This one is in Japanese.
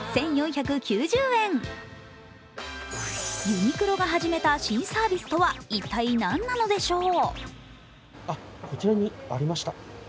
ユニクロが始めた新サービスとは一体何なのでしょう。